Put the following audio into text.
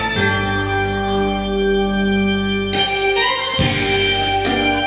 รักเธอรักเธอ